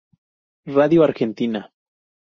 Radio Argentina.